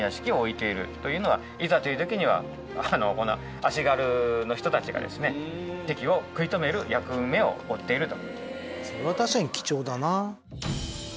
いざという時には足軽の人たちがですね敵を食い止める役目を負っていると。